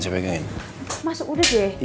mas udah deh